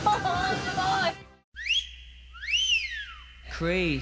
すごい！